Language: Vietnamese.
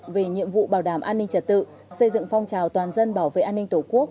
về nhiệm vụ bảo đảm an ninh trật tự xây dựng phong trào toàn dân bảo vệ an ninh tổ quốc